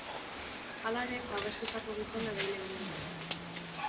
Hala ere, babestutako gizona erail egingo dute.